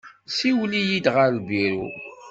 Siwel-iyi-id ɣer lbiru.